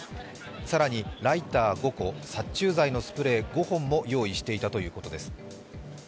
更にライター５個、殺虫剤のスプレー５本も用意したということです。